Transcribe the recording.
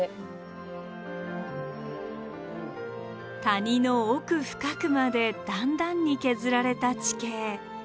谷の奥深くまで段々に削られた地形。